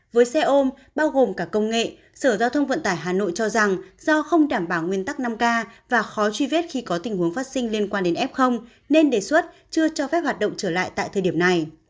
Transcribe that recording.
với xe ôm bao gồm cả công nghệ sở giao thông vận tải hà nội cho rằng do không đảm bảo nguyên tắc năm k và khó truy vết khi có tình huống phát sinh liên quan đến f nên đề xuất chưa cho phép hoạt động trở lại tại thời điểm này